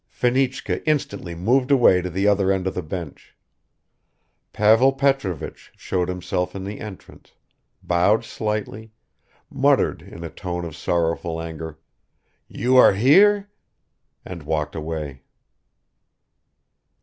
Fenichka instantly moved away to the other end of the bench. Pavel Petrovich showed himself in the entrance, bowed slightly, muttered in a tone of sorrowful anger, "You are here!" and walked away.